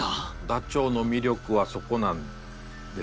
ダチョウの魅力はそこなんですね。